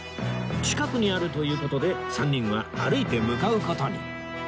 近くにあるという事で３人は歩いて向かう事に